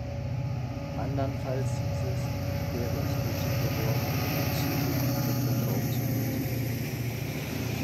Andernfalls, hieß es, wäre es nötig geworden, die Züge „konsequent aufzulösen“.